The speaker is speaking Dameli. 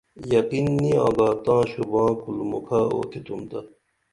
یقین نی آگا تاں شوباں کُل مکھہ اُوتِھی تھُمتا